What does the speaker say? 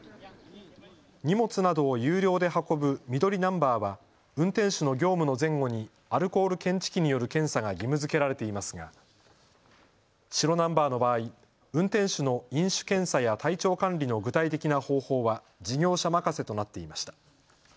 荷物などを有料で運ぶ緑ナンバーは運転手の業務の前後にアルコール検知器による検査が義務づけられていますが白ナンバーの場合、運転手の飲酒検査や体調管理の具体的な方法は事業者任せとなっていました。